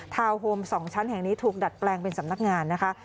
โฮม๒ชั้นแห่งนี้ถูกดัดแปลงเป็นสำนักงานนะคะ